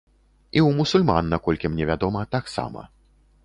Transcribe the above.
І ў мусульман, наколькі мне вядома, таксама.